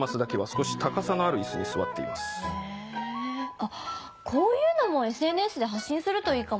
あっこういうのもＳＮＳで発信するといいかもね。